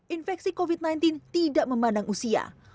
infeksi covid sembilan belas tidak memandang usia